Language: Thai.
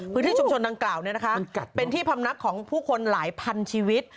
พื้นที่ชุมชนดังกล่าวเป็นที่พำนักของผู้คนหลายพันชีวิต